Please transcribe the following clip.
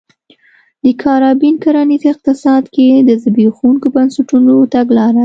د کارابین کرنیز اقتصاد کې د زبېښونکو بنسټونو تګلاره